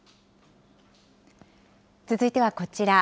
続いてはこちら。